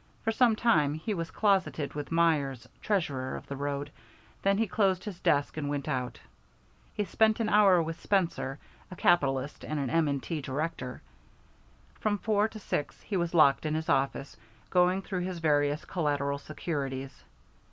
For some time he was closeted with Myers, treasurer of the road, then he closed his desk and went out. He spent an hour with Spencer, a capitalist and an M. & T. director. From four to six he was locked in his office, going through his various collateral securities.